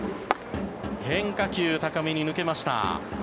変化球、高めに抜けました。